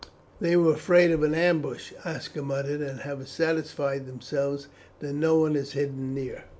"They were afraid of an ambush," Aska muttered, "and have satisfied themselves that no one is hidden near."